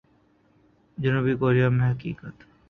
جنوبی کوریا میں حقیقت۔